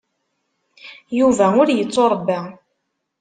Yuba ur yettuṛebba.